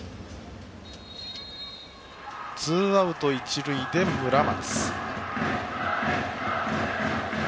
ツーアウト、一塁で村松。